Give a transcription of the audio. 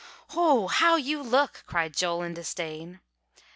] "Hoh, how you look!" cried Joel in disdain.